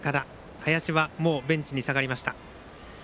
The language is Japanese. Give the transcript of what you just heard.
林は、もうベンチに下がりました。